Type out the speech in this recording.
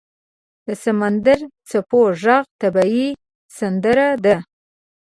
• د سمندر څپو ږغ طبیعي سندره ده.